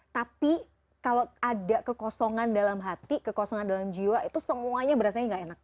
tapi kalau ada kekosongan dalam hati kekosongan dalam jiwa itu semuanya berasanya nggak enak